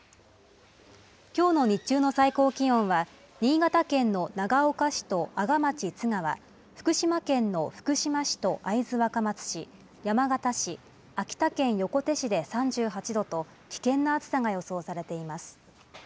きょうの日中の最高気温は新潟県の長岡市と阿賀町津川、福島県の福島市と会津若松市、山形市、秋田県横手市で３８度と、危険な暑さが予想されています。